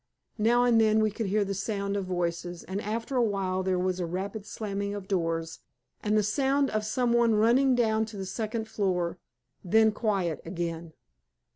Now and then we could hear the sound of voices, and after a while there was a rapid slamming of doors and the sound of some one running down to the second floor. Then quiet again.